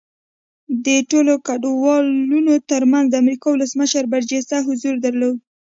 د ټولو ګډونوالو ترمنځ د امریکا ولسمشر برجسته حضور درلود